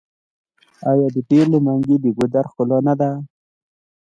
آیا د پیغلو منګي د ګودر ښکلا نه ده؟